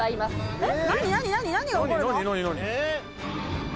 えっ